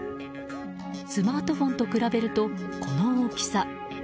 スマートフォンと比べるとこの大きさ。